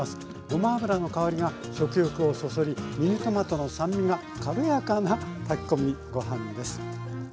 ごま油の香りが食欲をそそりミニトマトの酸味が軽やかな炊き込みご飯です。